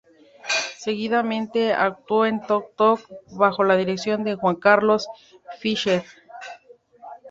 Seguidamente actuó en "Toc Toc" bajo la dirección de Juan Carlos Fisher.